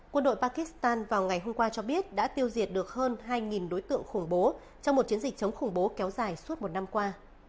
quân đội pakistan vào ngày hôm qua cho biết đã tiêu diệt được hơn hai đối tượng khủng bố trong một chiến dịch chống khủng bố kéo dài suốt một năm qua